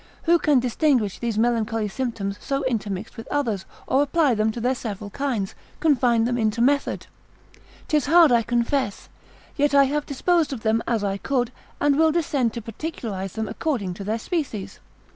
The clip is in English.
who can distinguish these melancholy symptoms so intermixed with others, or apply them to their several kinds, confine them into method? 'Tis hard I confess, yet I have disposed of them as I could, and will descend to particularise them according to their species.